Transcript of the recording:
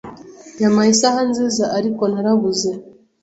Yampaye isaha nziza, ariko narabuze.